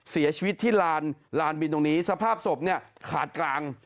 เสียชีวิตที่ลานลานบินตรงนี้สภาพศพเนี่ยขาดกลาง